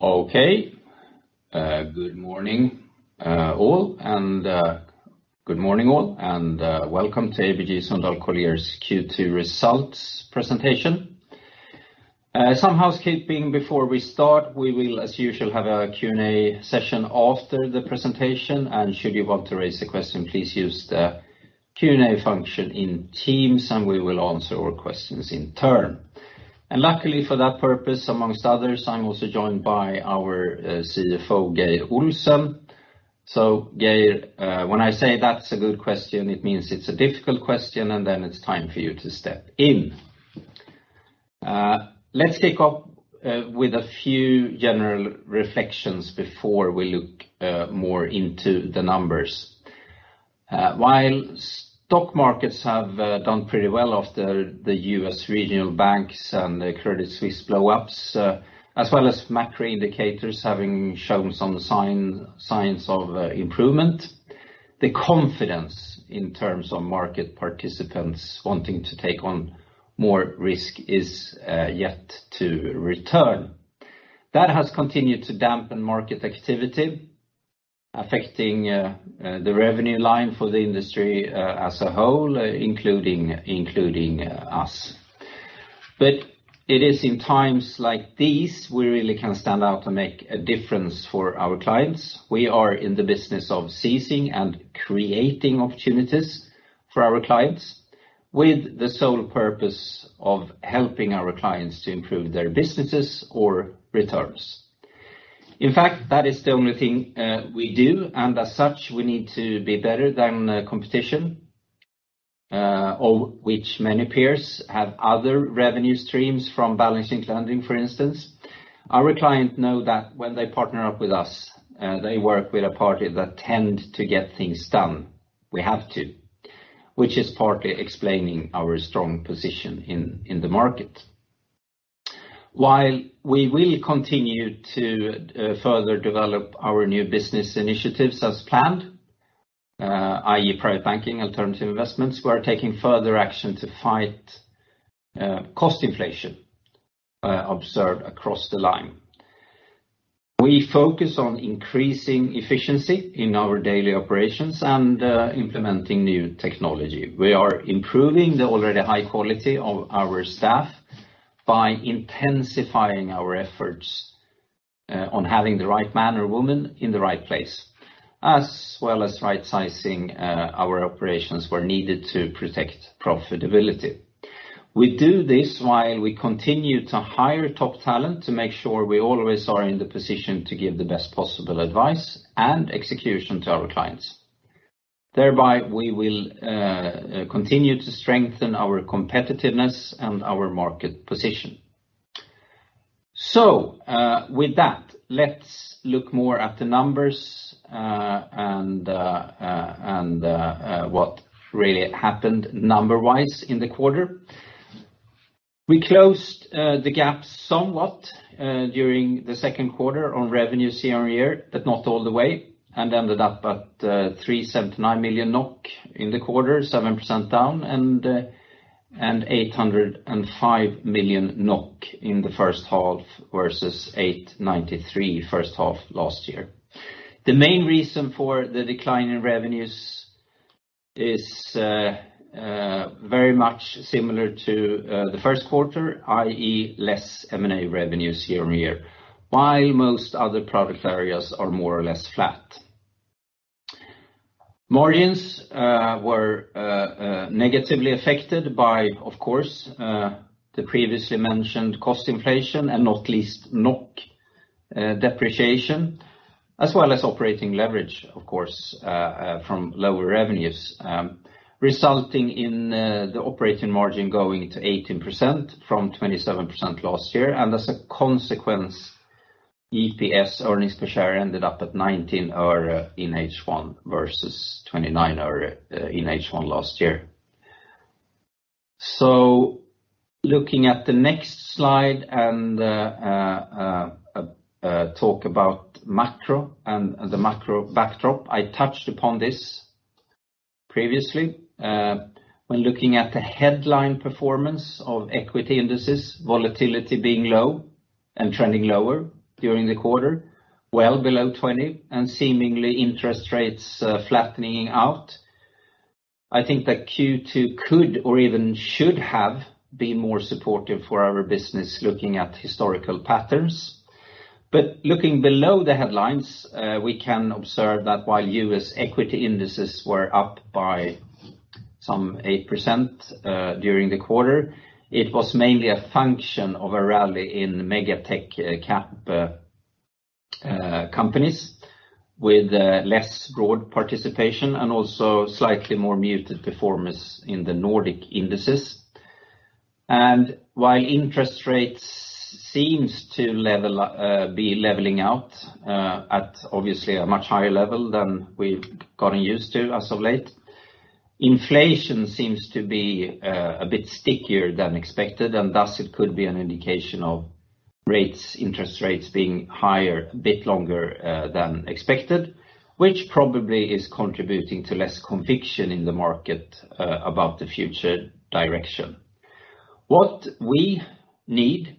Okay, good morning all, and welcome to ABG Sundal Collier's Q2 Results Presentation. Some housekeeping before we start. We will, as usual, have a Q&A session after the presentation, and should you want to raise a question, please use the Q&A function in Teams, and we will answer all questions in turn. Luckily, for that purpose, amongst others, I'm also joined by our CFO, Geir Olsen. Geir, when I say that's a good question, it means it's a difficult question, and then it's time for you to step in. Let's kick off with a few general reflections before we look more into the numbers. While stock markets have done pretty well after the US regional banks and the Credit Suisse blow-ups, as well as macro indicators having shown some signs of improvement, the confidence in terms of market participants wanting to take on more risk is yet to return. That has continued to dampen market activity, affecting the revenue line for the industry as a whole, including us. It is in times like these, we really can stand out and make a difference for our clients. We are in the business of seizing and creating opportunities for our clients, with the sole purpose of helping our clients to improve their businesses or returns. In fact, that is the only thing we do, and as such, we need to be better than the competition, of which many peers have other revenue streams from balancing lending, for instance. Our clients know that when they partner up with us, they work with a party that tend to get things done. We have to, which is partly explaining our strong position in the market. While we will continue to further develop our new business initiatives as planned, i.e., private banking, alternative investments, we are taking further action to fight cost inflation observed across the line. We focus on increasing efficiency in our daily operations and implementing new technology. We are improving the already high quality of our staff by intensifying our efforts, on having the right man or woman in the right place, as well as right-sizing, our operations where needed to protect profitability. We do this while we continue to hire top talent to make sure we always are in the position to give the best possible advice and execution to our clients. Thereby, we will continue to strengthen our competitiveness and our market position. With that, let's look more at the numbers, and what really happened number-wise in the quarter. We closed the gap somewhat during the second quarter on revenue year-on-year, but not all the way, and ended up at 379 million NOK in the quarter, 7% down, and 805 million NOK in the first half versus 893 million first half last year. The main reason for the decline in revenues is very much similar to the first quarter, i.e., less M&A revenues year-on-year, while most other product areas are more or less flat. Margins were negatively affected by, of course, the previously mentioned cost inflation and not least NOK depreciation, as well as operating leverage, of course, from lower revenues, resulting in the operating margin going to 18% from 27% last year. As a consequence, EPS, earnings per share, ended up at NOK 0.19 in H1 versus NOK 0.29 in H1 last year. Looking at the next slide and talk about macro and the macro backdrop. I touched upon this previously, when looking at the headline performance of equity indices, volatility being low and trending lower during the quarter, well below 20, and seemingly interest rates flattening out. I think that Q2 could or even should have been more supportive for our business, looking at historical patterns. Looking below the headlines, we can observe that while U.S. equity indices were up by some 8% during the quarter, it was mainly a function of a rally in mega tech cap companies with less broad participation and also slightly more muted performance in the Nordic indices. While interest rates seems to be leveling out, at obviously a much higher level than we've gotten used to as of late, inflation seems to be a bit stickier than expected, and thus it could be an indication of rates, interest rates being higher, a bit longer than expected, which probably is contributing to less conviction in the market about the future direction. What we need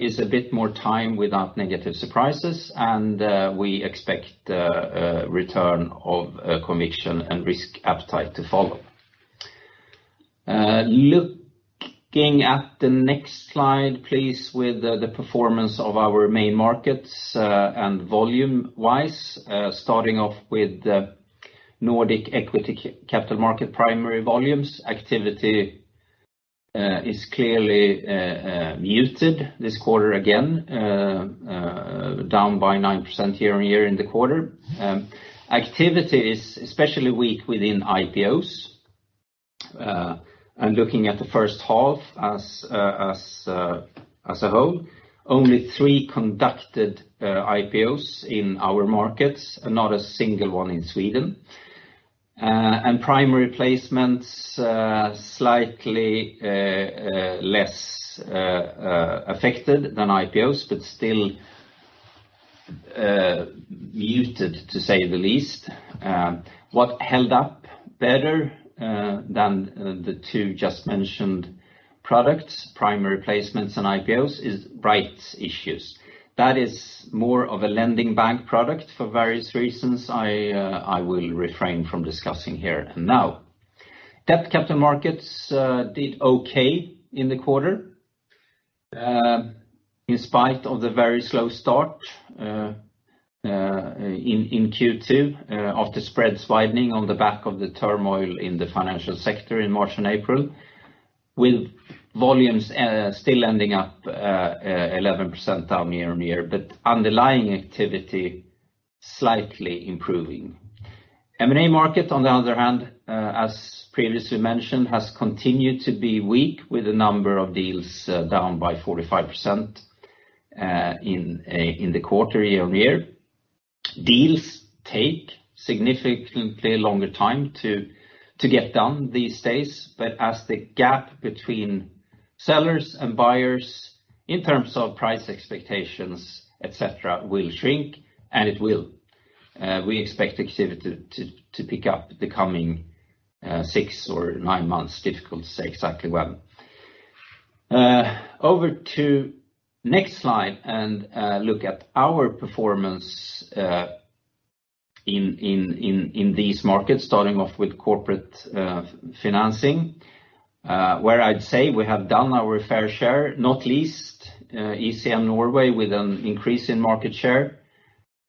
is a bit more time without negative surprises, and we expect a return of conviction and risk appetite to follow. Looking at the next slide, please, with the performance of our main markets, and volume-wise, starting off with the Nordic equity capital market primary volumes. Activity is clearly muted this quarter again, down by 9% year-on-year in the quarter. Activity is especially weak within IPOs. Looking at the first half as a whole, only three conducted IPOs in our markets, and not a single one in Sweden. Primary placements, slightly less affected than IPOs, but still muted, to say the least. What held up better than the two just mentioned products, primary placements and IPOs, is rights issues. That is more of a lending bank product for various reasons I will refrain from discussing here and now. Debt capital markets did okay in the quarter in spite of the very slow start in Q2 after spreads widening on the back of the turmoil in the financial sector in March and April, with volumes still ending up 11% down year-on-year, but underlying activity slightly improving. M&A market, on the other hand, as previously mentioned, has continued to be weak, with a number of deals down by 45% in the quarter year-on-year. Deals take significantly longer time to get done these days, but as the gap between sellers and buyers in terms of price expectations, et cetera, will shrink, and it will, we expect activity to pick up the coming six or nine months. Difficult to say exactly when. Over to next slide and look at our performance in these markets, starting off with corporate financing, where I'd say we have done our fair share, not least ECM Norway, with an increase in market share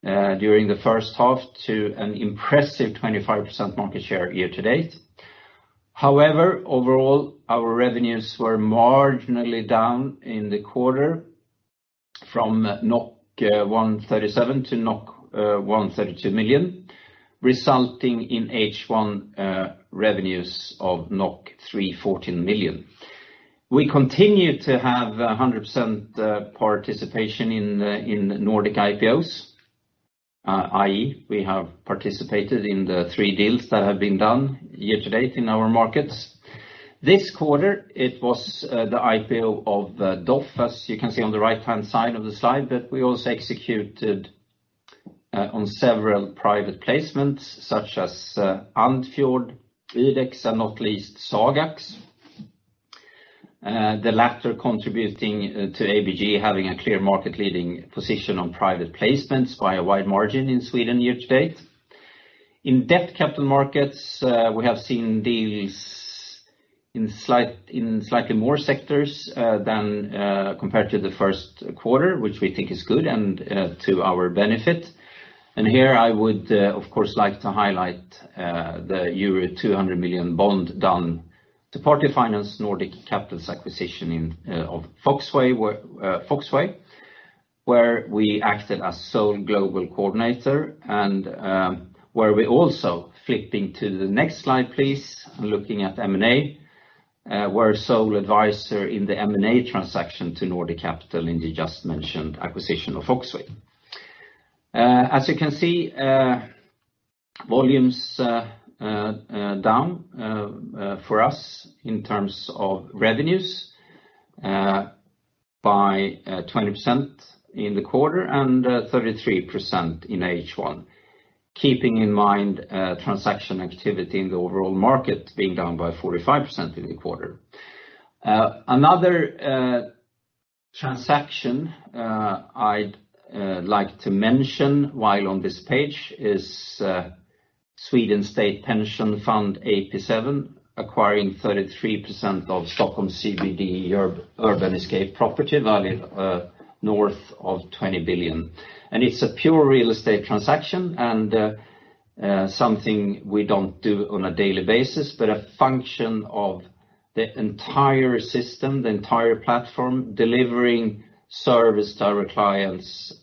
during the first half to an impressive 25% market share year to date. However, overall, our revenues were marginally down in the quarter from 137 to 132 million, resulting in H1 revenues of 314 million. We continue to have 100% participation in Nordic IPOs, i.e., we have participated in the 3 deals that have been done year to date in our markets. This quarter, it was the IPO of DOF, as you can see on the right-hand side of the slide, but we also executed on several private placements, such as Andfjord, Idex, and not least, Sagax. The latter contributing to ABG having a clear market leading position on private placements by a wide margin in Sweden year to date. In debt capital markets, we have seen deals in slightly more sectors than compared to the first quarter, which we think is good and to our benefit. Here I would, of course, like to highlight the euro 200 million bond done to partly finance Nordic Capital's acquisition in of Foxway, where Foxway, where we acted as sole global coordinator, and where we're also flipping to the next slide, please, and looking at M&A, we're sole advisor in the M&A transaction to Nordic Capital in the just mentioned acquisition of Foxway. As you can see, volumes down for us in terms of revenues by 20% in the quarter and 33% in H1, keeping in mind transaction activity in the overall market being down by 45% in the quarter. Another transaction I'd like to mention while on this page is Sweden State Pension Fund AP7, acquiring 33% of Stockholm CBD Urban Escape property, valued north of 20 billion. It's a pure real estate transaction and something we don't do on a daily basis, but a function of the entire system, the entire platform, delivering service to our clients,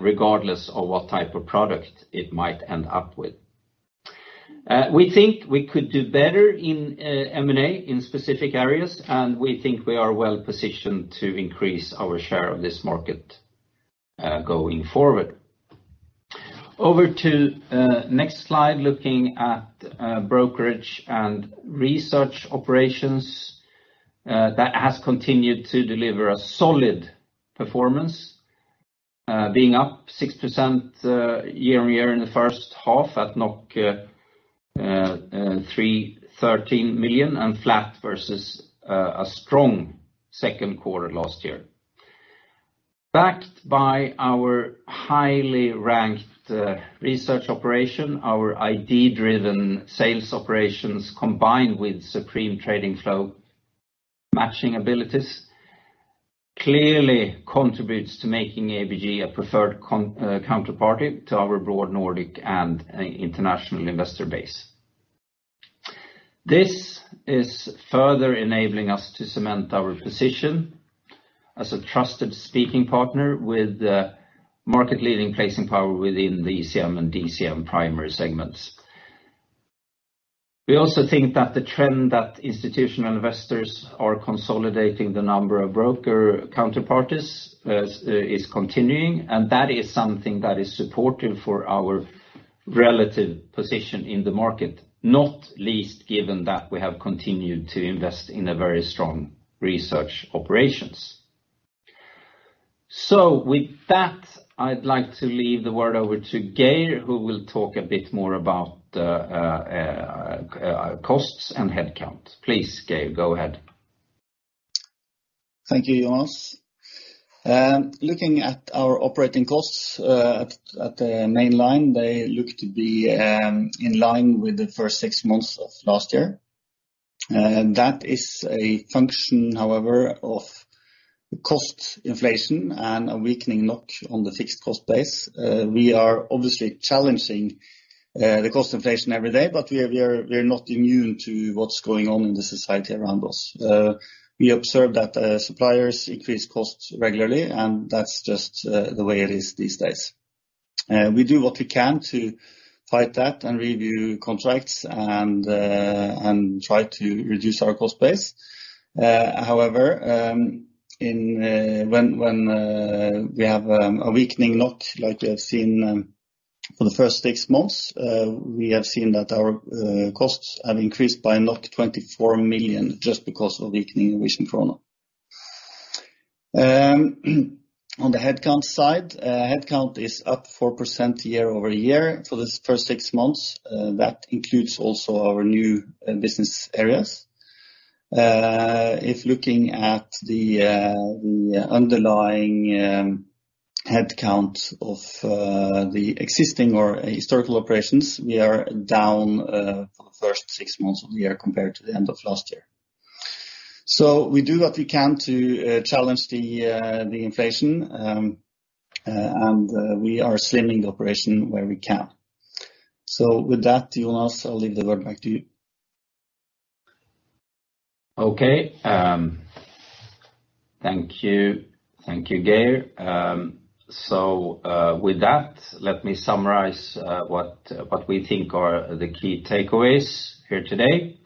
regardless of what type of product it might end up with. We think we could do better in M&A in specific areas, and we think we are well-positioned to increase our share of this market going forward. Over to next slide, looking at brokerage and research operations, that has continued to deliver a solid performance.... Being up 6% year on year in the first half at 313 million, and flat versus a strong second quarter last year. Backed by our highly ranked research operation, our ID-driven sales operations, combined with supreme trading flow, matching abilities, clearly contributes to making ABG a preferred counterparty to our broad Nordic and international investor base. This is further enabling us to cement our position as a trusted speaking partner with the market-leading placing power within the ECM and DCM primary segments. We also think that the trend that institutional investors are consolidating the number of broker counterparties is continuing, and that is something that is supportive for our relative position in the market. Not least, given that we have continued to invest in a very strong research operations. With that, I'd like to leave the word over to Geir, who will talk a bit more about costs and headcount. Please, Geir, go ahead. Thank you, Jonas. Looking at our operating costs, at the main line, they look to be in line with the first six months of last year. That is a function, however, of cost inflation and a weakening NOK on the fixed cost base. We are obviously challenging the cost inflation every day, but we are, we're not immune to what's going on in the society around us. We observe that suppliers increase costs regularly, and that's just the way it is these days. We do what we can to fight that and review contracts and try to reduce our cost base. However, in when we have a weakening NOK, like we have seen for the first 6 months, we have seen that our costs have increased by 24 million just because of weakening in Norwegian kroner. On the headcount side, headcount is up 4% year-over-year for this first 6 months. That includes also our new business areas. If looking at the underlying headcount of the existing or historical operations, we are down for the first 6 months of the year compared to the end of last year. We do what we can to challenge the inflation, and we are slimming the operation where we can. With that, Jonas, I'll leave the word back to you. Thank you. Thank you, Geir. With that, let me summarize what we think are the key takeaways here today.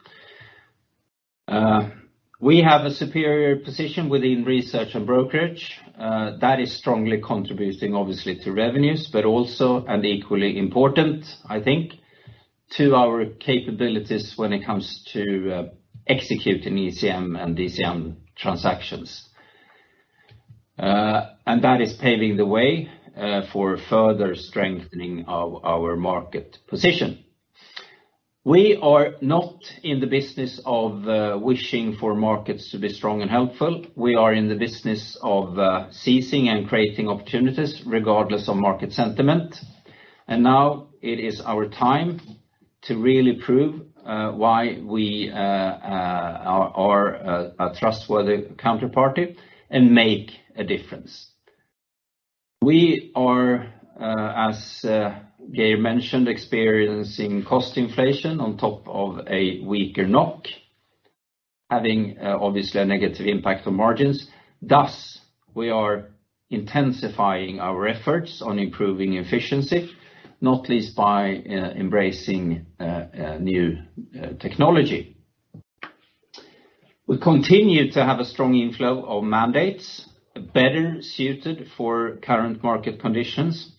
We have a superior position within research and brokerage that is strongly contributing, obviously, to revenues, but also, and equally important, I think, to our capabilities when it comes to executing ECM and DCM transactions. That is paving the way for further strengthening of our market position. We are not in the business of wishing for markets to be strong and helpful. We are in the business of seizing and creating opportunities regardless of market sentiment. Now it is our time to really prove why we are a trustworthy counterparty and make a difference. We are, as Geir mentioned, experiencing cost inflation on top of a weaker NOK, having obviously a negative impact on margins. Thus, we are intensifying our efforts on improving efficiency, not least by embracing new technology. We continue to have a strong inflow of mandates, better suited for current market conditions,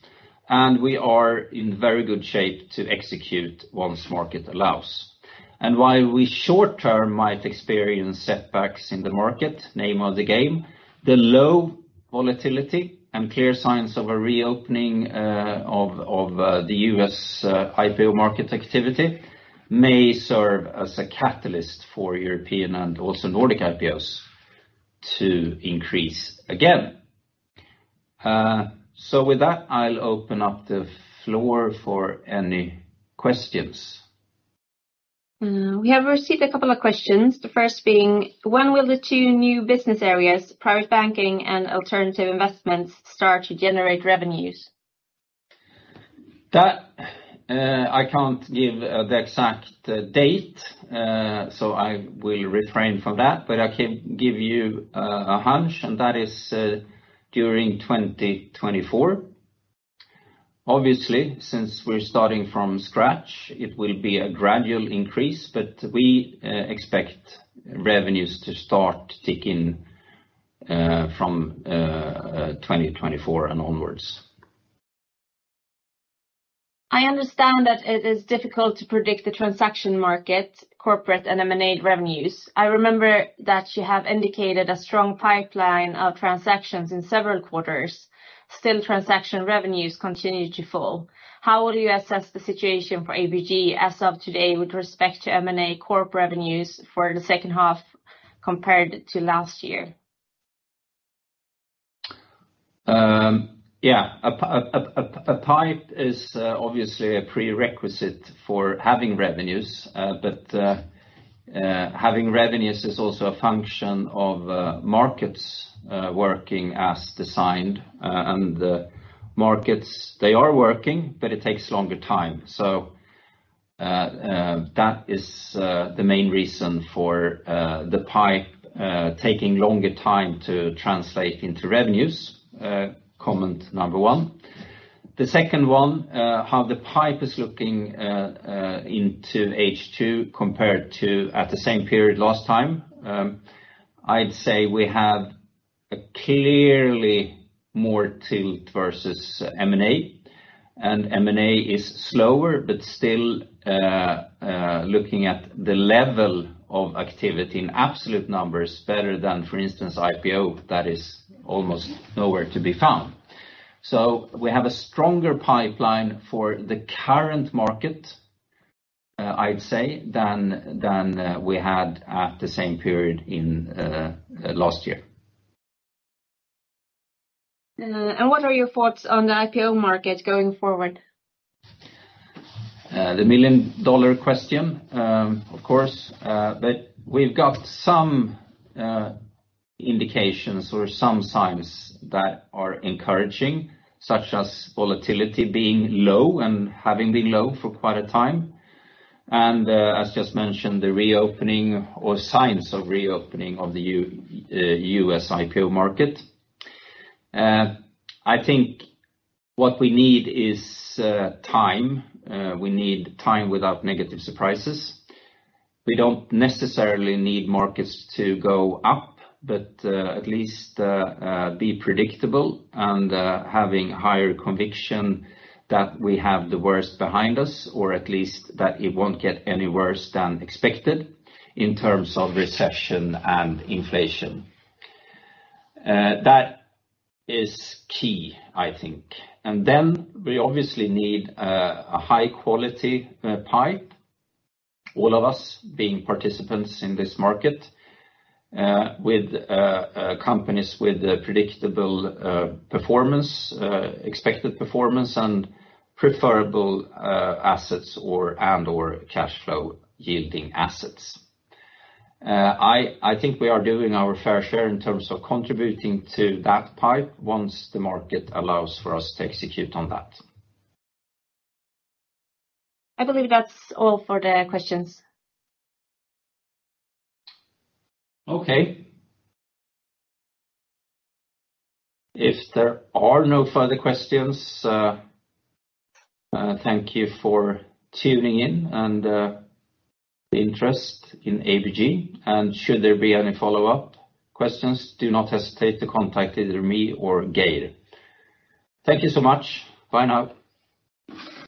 and we are in very good shape to execute once market allows. And while we short term might experience setbacks in the market, name of the game, the low volatility and clear signs of a reopening of the US IPO market activity may serve as a catalyst for European and also Nordic IPOs to increase again. So with that, I'll open up the floor for any questions. We have received a couple of questions. The first being: When will the 2 new business areas, private banking and alternative investments, start to generate revenues? That, I can't give the exact date, so I will refrain from that, but I can give you a hunch, and that is during 2024. Obviously, since we're starting from scratch, it will be a gradual increase, but we expect revenues to start ticking from 2024 and onwards. I understand that it is difficult to predict the transaction market, corporate and M&A revenues. I remember that you have indicated a strong pipeline of transactions in several quarters. Still, transaction revenues continue to fall. How will you assess the situation for ABG as of today with respect to M&A Corp revenues for the second half compared to last year? A pipe is obviously a prerequisite for having revenues, but having revenues is also a function of markets working as designed, the markets, they are working, but it takes longer time. That is the main reason for the pipe taking longer time to translate into revenues, comment number one. The second one, how the pipe is looking into H2 compared to at the same period last time. I'd say we have a clearly more tilt versus M&A, and M&A is slower, but still, looking at the level of activity in absolute numbers, better than, for instance, IPO. That is almost nowhere to be found. We have a stronger pipeline for the current market, I'd say, than we had at the same period in last year. What are your thoughts on the IPO market going forward? The million dollar question, of course, but we've got some indications or some signs that are encouraging, such as volatility being low and having been low for quite a time. As just mentioned, the reopening or signs of reopening of the US IPO market. I think what we need is time. We need time without negative surprises. We don't necessarily need markets to go up, but at least be predictable and having higher conviction that we have the worst behind us, or at least that it won't get any worse than expected in terms of recession and inflation. That is key, I think. We obviously need a high quality pipe, all of us being participants in this market, with companies with a predictable performance, expected performance, and preferable assets or, and/or cash flow yielding assets. I think we are doing our fair share in terms of contributing to that pipe once the market allows for us to execute on that. I believe that's all for the questions. Okay. If there are no further questions, thank you for tuning in and, the interest in ABG. Should there be any follow-up questions, do not hesitate to contact either me or Geir. Thank you so much. Bye now.